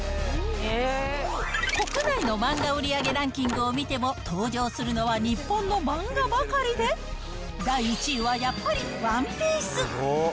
国内の漫画売り上げランキングを見ても、登場するのは日本の漫画ばかりで、第１位はやっぱりＯＮＥＰＩＥＣＥ。